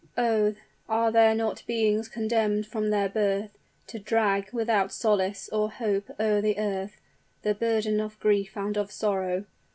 "Oh, are there not beings condemned from their birth, To drag, without solace or hope o'er the earth, The burden of grief and of sorrow?